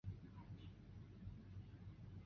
该党曾是第四国际波萨达斯主义者的成员。